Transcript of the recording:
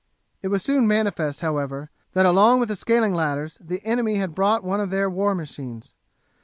It was soon manifest, however, that along with the scaling ladders the enemy had brought one of their war machines.